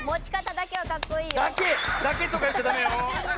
だけ！だけとかいっちゃダメよ！